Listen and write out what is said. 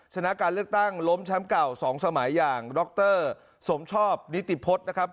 ชนะการเลือกตั้งล้มแชมป์เก่า๒สมัยอย่างดรสมชอบนิติพฤษนะครับ